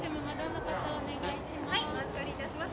はいお預かりいたします。